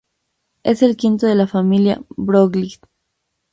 Es el quinto de la familia Broglie.